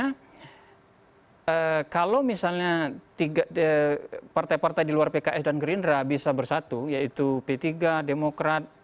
karena kalau misalnya partai partai di luar pks dan gerindra bisa bersatu yaitu p tiga demokrat